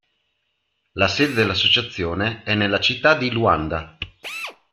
La sede dell'associazione è nella città di Luanda.